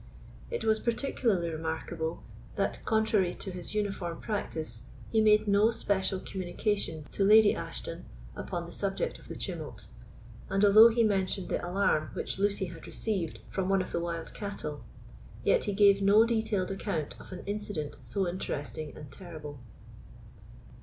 It was particularly remarkable that, contrary to his uniform practice, he made no special communication to Lady Ashton upon the subject of the tumult; and although he mentioned the alarm which Lucy had received from one of the wild cattle, yet he gave no detailed account of an incident so interesting and terrible.